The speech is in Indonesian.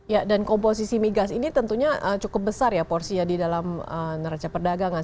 ya dan komposisi migas ini tentunya cukup besar ya porsinya di dalam neraca perdagangan